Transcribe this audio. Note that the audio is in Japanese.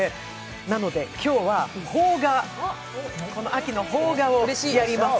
なので、今日はこの秋の邦画をやります。